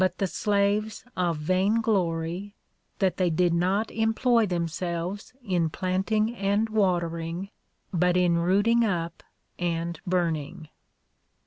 131 but tlie slaves of vain glory — that they did not employ themselves in planting and watering, but in rooting up and burning.